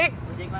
buat palak pwin